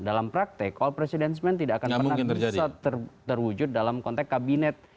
dalam praktek all president men tidak akan pernah bisa terwujud dalam konteks kabinet